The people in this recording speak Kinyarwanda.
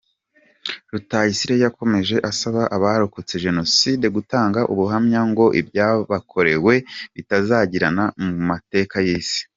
Rutayisire yakomeje asaba abarokotse Jenoside gutanga ubuhamya ngo ibyabakorewe bitazibagirana mu mateka y’isi.